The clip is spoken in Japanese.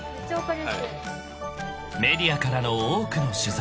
［メディアからの多くの取材］